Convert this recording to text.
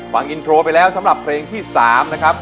ฟังอินโทรไปแล้วสำหรับเพลงที่๓นะครับ